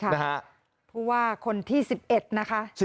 นี่ค่ะเพราะว่าคนที่๑๑นะคะ